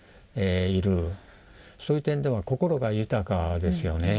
そういう点では心が豊かですよね。